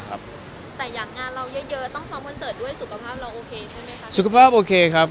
แต่อย่างงานเรายังเยอะต้องช้อมวนเสิร์ชด้วยสุขภาพเราโอเคใช่ไหมครับ